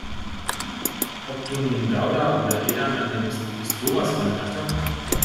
Ob du nun Gouda oder Edamer nimmst, ist sowas von Latte.